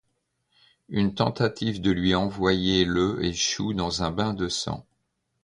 Une tentative de lui envoyer le échoue dans un bain de sang.